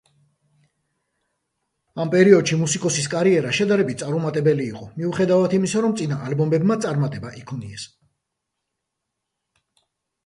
ამ პერიოდში მუსიკოსის კარიერა შედარებით წარუმატებელი იყო, მიუხედავად იმისა, რომ წინა ალბომებმა წარმატება იქონიეს.